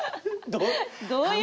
どういう？